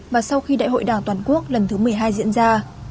và sau khi đại hội đảng toàn quốc lần thứ một mươi hai diễn ra